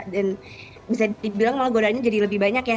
dan bisa dibilang malah godaannya jadi lebih banyak ya